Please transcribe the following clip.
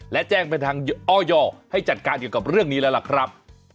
และแจ้งไปทางอ้อยให้จัดการเกี่ยวกับเรื่องนี้แล้วล่ะครับ